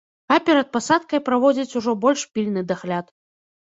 А перад пасадкай праводзяць ужо больш пільны дагляд.